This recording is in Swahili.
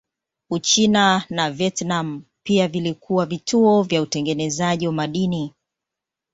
Uchina na Vietnam pia vilikuwa vituo vya utengenezaji wa madini.